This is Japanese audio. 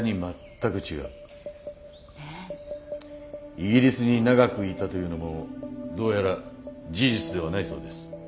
イギリスに長くいたというのもどうやら事実ではないそうです。